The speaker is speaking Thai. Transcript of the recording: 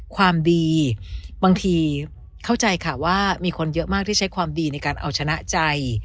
ความดีบางทีเข้าใจค่ะว่ามีคนเยอะมากที่ใช้ความดีในการเอาชนะใจ